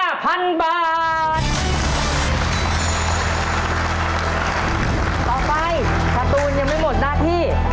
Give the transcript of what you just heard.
ต่อไปการ์ตูนยังไม่หมดหน้าที่